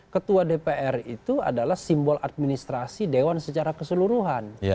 ketua dpr itu adalah simbol administrasi dewan secara keseluruhan